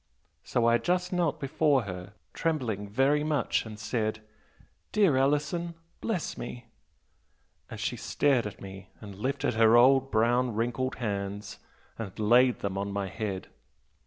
So I just knelt before her, trembling very much, and said, 'Dear Alison, bless me!' and she stared at me and lifted her old brown wrinkled hands and laid them on my head.